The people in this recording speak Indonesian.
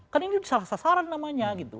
kan ini salah sasaran namanya gitu